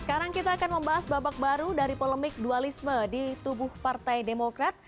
sekarang kita akan membahas babak baru dari polemik dualisme di tubuh partai demokrat